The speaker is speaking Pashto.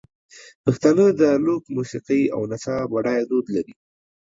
پښتانه د لوک موسیقۍ او نڅا بډایه دود لري.